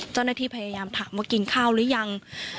เจ้าหน้าที่พยายามถามว่ากินข้าวหรือยัง